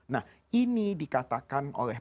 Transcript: nah ini dikatakan oleh